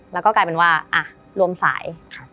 แล้วก็กลายเป็นว่ารวมสาย